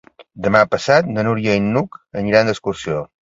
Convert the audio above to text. Demà passat na Núria i n'Hug aniran d'excursió.